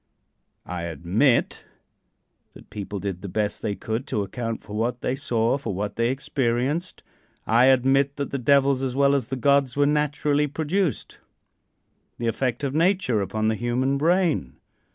I admit that people did the best they could to account for what they saw, for what they experienced. I admit that the devils as well as the gods were naturally produced the effect of nature upon the human brain.